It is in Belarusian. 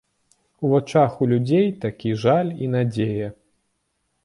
У вачах у людзей такі жаль і надзея!